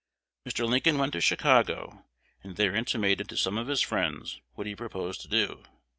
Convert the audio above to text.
Mr. Lincoln went to Chicago, and there intimated to some of his friends what he proposed to do.